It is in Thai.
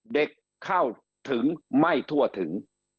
เด็กเข้าถึงไม่ทั่วถึง